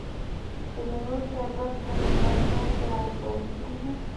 د میوو شربت په میلمستیا کې ورکول کیږي.